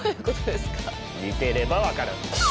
見てれば分かる。